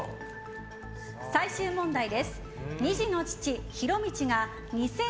最終問題です。